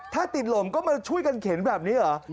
ถ้าติดลมก็มาช่วยกันเข็นแบบนี้เหรอ